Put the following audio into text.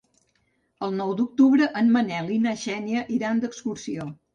El nou d'octubre en Manel i na Xènia iran d'excursió.